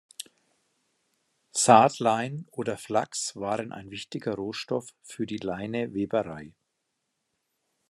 Saat-Lein oder Flachs waren ein wichtiger Rohstoff für die Leineweberei.